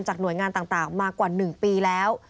หน่วยงานต่างมากว่า๑ปีแล้ว